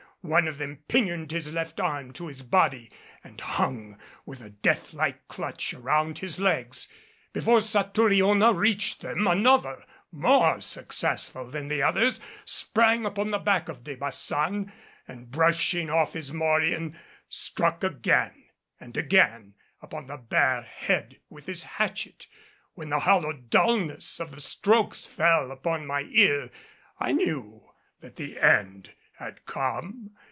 One of them pinioned his left arm to his body, and hung with a death like clutch around his legs. Before Satouriona reached them, another, more successful than the others, sprang upon the back of De Baçan, and, brushing off his morion, struck again and again upon the bare head with his hatchet. When the hollow dulness of the strokes fell upon my ear, I knew that the end had come.